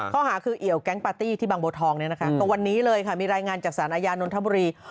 ข้อหาคือเอี่ยวแก๊งปาร์ตี้ที่บางบัวทองเนี่ยนะคะตรงวันนี้เลยค่ะมีรายงานจากสารอาญานนทบุรี